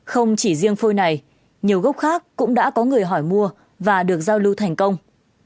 không chỉ riêng phôi này nhiều gốc khác cũng đã có người hỏi mua và được giao lưu thành công